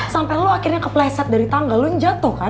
sampai lo akhirnya kepleset dari tangga lu yang jatuh kan